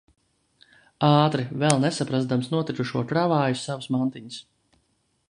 Ātri, vēl nesaprazdams notikušo kravāju savas mantiņas.